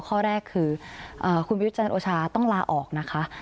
ข้อแรกคือคุณประยุทธ์จันทร์โอชาต้องลาออกนะคะ